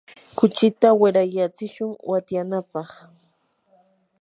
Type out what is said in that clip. kuchita wirayatsishun watyanapaq.